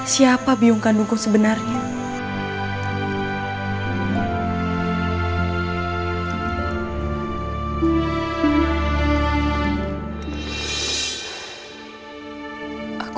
siapa biung kandungku sebenarnya